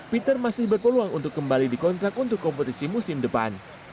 peter masih berpeluang untuk kembali dikontrak untuk kompetisi musim depan